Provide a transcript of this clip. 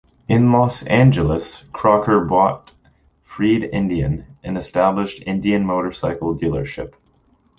In Los Angeles, Crocker bought Freed Indian, an established Indian Motorcycle dealership.